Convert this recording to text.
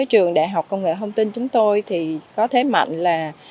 trường đại học công nghệ thông tin chúng tôi thì có thế mạnh là